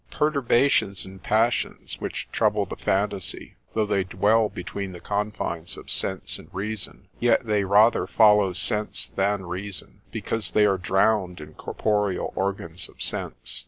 Perturbations and passions, which trouble the phantasy, though they dwell between the confines of sense and reason, yet they rather follow sense than reason, because they are drowned in corporeal organs of sense.